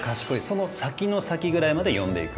その先の先ぐらいまで読んでいく。